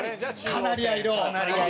カナリア色！